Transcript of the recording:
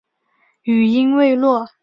语音未落